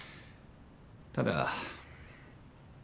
ただ。